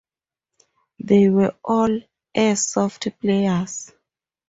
They were all airsoft players.